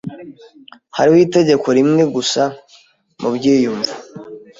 Hariho itegeko rimwe gusa mubyiyumvo,